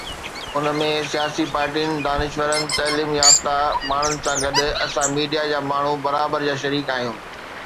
ان ۾ سياسي پارٽين، دانشورن، تعليم يافته ماڻهن سان گڏ اسان ميڊيا جا ماڻهو برابر جا شريڪ آهيون.